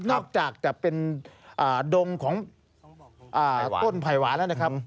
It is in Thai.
นอกจากจะเป็นดงของต้นไผ่หวานแล้วนะครับ